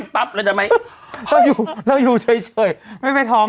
ปั๊บเราจะไม่เราอยู่เราอยู่เฉยไม่ไปท้อง